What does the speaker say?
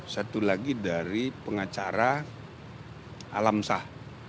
satu lagi dari pengacara alamsah